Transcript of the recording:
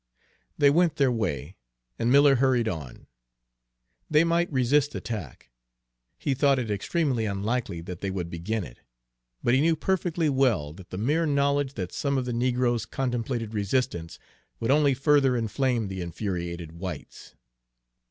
They went their way, and Miller hurried on. They might resist attack; he thought it extremely unlikely that they would begin it; but he knew perfectly well that the mere knowledge that some of the negroes contemplated resistance would only further inflame the infuriated whites.